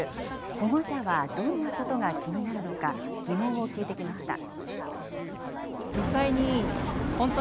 保護者はどんなことが気になるのか、疑問を聞いてきました。